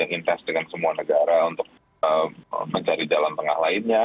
intest dengan semua negara untuk mencari jalan tengah lainnya